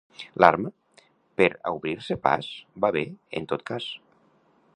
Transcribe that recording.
L'arma, per a obrir-se pas, va bé en tot cas.